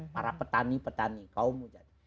para petani petani kaum muda